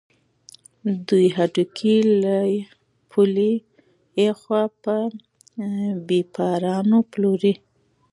دوی هډوکي له پولې اخوا په بېپارانو پلوري.